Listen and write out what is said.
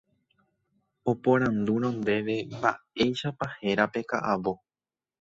oporandúrõ ndéve mba'éichapa héra pe ka'avo